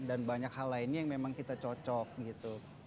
dan banyak hal lainnya yang memang kita cocok gitu